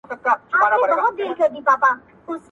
• په خپل وخت کي یې هم -